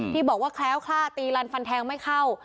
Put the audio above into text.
ที่บอกว่าแคล้วคล่าตีลันฟันแทงไม่เข้า